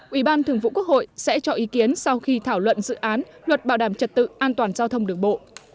ủy ban thường vụ quốc hội sẽ cho ý kiến sau khi thảo luận dự án luật bảo đảm trật tự an toàn giao thông đường bộ